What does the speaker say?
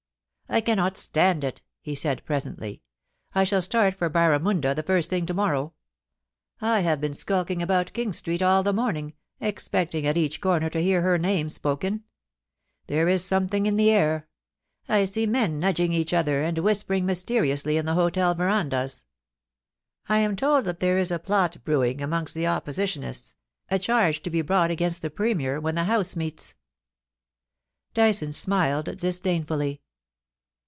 * I cannot stand it,' he said presently. * I shall start for Barramunda the first thing to morrow. I have been skulking about King Street all the morning, expecting at each comer to hear her name spokea There is something in the air. I see men nudging each other and whispering mysteriously in the hotel verandas. I am told that there is a plot brewing amongst the Oppositionists — a, charge to be brought against the Premier when the House meets.' Dyson smiled disdainfully.